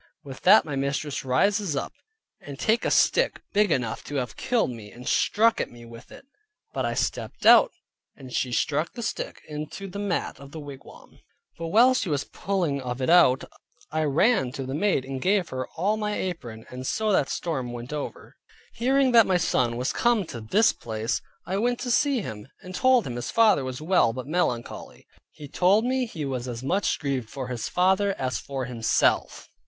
With that my mistress rises up, and take up a stick big enough to have killed me, and struck at me with it. But I stepped out, and she struck the stick into the mat of the wigwam. But while she was pulling of it out I ran to the maid and gave her all my apron, and so that storm went over. Hearing that my son was come to this place, I went to see him, and told him his father was well, but melancholy. He told me he was as much grieved for his father as for himself.